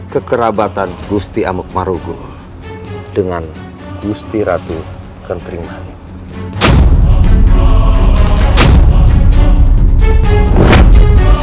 kekerabatan gusti amokmaruggo dengan gusti ratu kentrimanik